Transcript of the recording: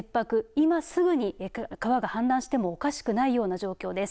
今すぐに川が氾濫してもおかしくないような状況です。